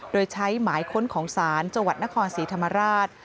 โดยใช้หมายค้นของสารจนครศรีธรรมราช